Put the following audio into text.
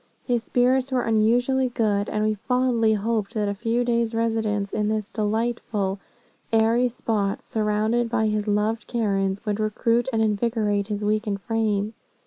His spirits were unusually good, and we fondly hoped that a few days' residence in that delightful, airy spot, surrounded by his loved Karens, would recruit and invigorate his weakened frame.